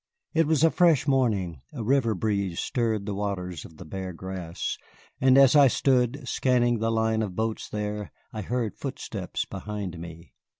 It was a fresh morning, a river breeze stirred the waters of the Bear Grass, and as I stood, scanning the line of boats there, I heard footsteps behind me.